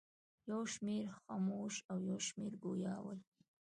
یو شمېر خموش او یو شمېر ګویا ول.